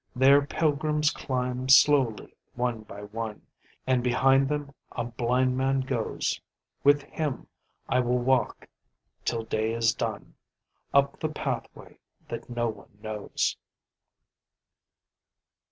There pilgrims climb slowly one by one, And behind them a blind man goes: With him I will walk till day is done Up the pathway that no one knows